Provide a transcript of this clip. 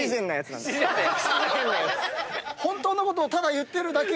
本当のことをただ言ってるだけ。